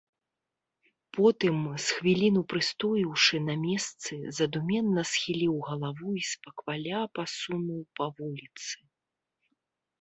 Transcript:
Потым, з хвіліну прыстоіўшы на месцы, задуменна схіліў галаву і спакваля пасунуў па вуліцы.